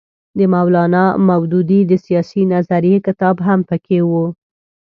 د مولانا مودودي د سیاسي نظریې کتاب هم پکې وو.